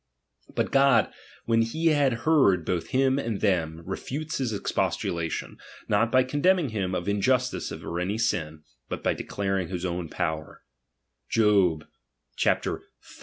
But God, when he had heard bott* him and thera, refutes his expostulation, not by^ condemning him of injustice or auy sin, but by^ declaring his own power, (Jobxxxviii.